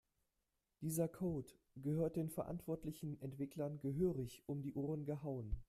Dieser Code gehört den verantwortlichen Entwicklern gehörig um die Ohren gehauen.